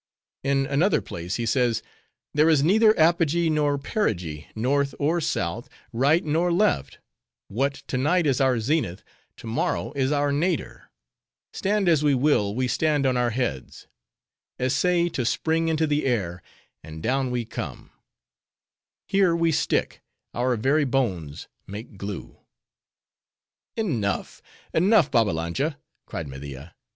In an another place, he says:—'There is neither apogee nor perigee, north nor south, right nor left; what to night is our zenith, to morrow is our nadir; stand as we will, we stand on our heads; essay to spring into the air, and down we come; here we stick; our very bones make glue.'" "Enough, enough, Babbalanja," cried Media.